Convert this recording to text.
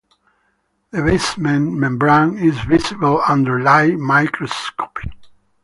The basement membrane is visible under light microscopy.